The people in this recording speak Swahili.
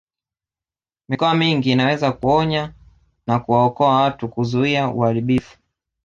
Mikoa mingine inaweza kuonya na kuwaokoa watu kuzuia uharibifu